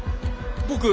僕。